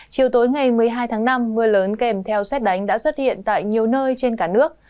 chiều tối ngày một mươi hai tháng năm mưa lớn kèm theo xét đánh đã xuất hiện tại nhiều nơi trên cả nước